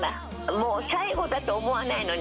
もう最後だと思わないのね。